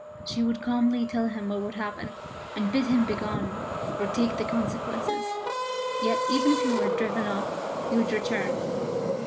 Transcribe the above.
She would calmly tell him what would happen, and bid him begone, or take the consequences. Yet even if he were driven off he would return.